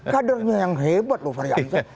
kadernya yang hebat loh fahri hamzah